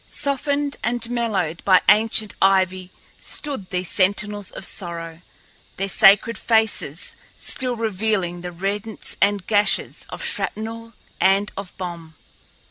Softened and mellowed by ancient ivy stood these sentinels of sorrow, their scarred faces still revealing the rents and gashes of shrapnel and of bomb.